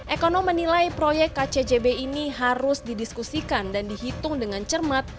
ekonom menilai proyek kcjb ini harus didiskusikan dan dihitung dengan cermat